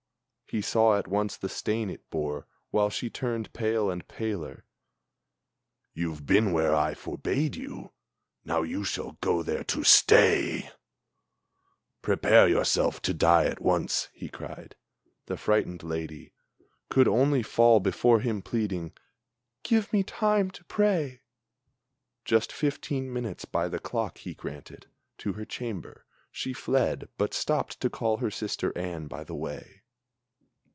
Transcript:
He saw at once the stain it bore while she turned pale and paler, "You've been where I forbade you! Now you shall go there to stay! Prepare yourself to die at once!" he cried. The frightened lady Could only fall before him pleading: "Give me time to pray!" Just fifteen minutes by the clock he granted. To her chamber She fled, but stopped to call her sister Anne by the way.